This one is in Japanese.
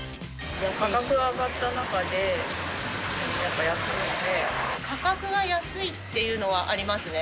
価格が上がった中で、やっぱ価格が安いっていうのはありますね。